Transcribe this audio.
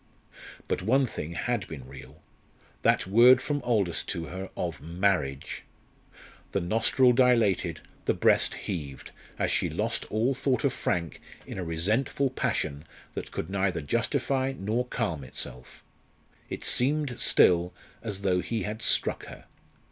But one thing had been real that word from Aldous to her of "marriage"! The nostril dilated, the breast heaved, as she lost all thought of Frank in a resentful passion that could neither justify nor calm itself. It seemed still as though he had struck her.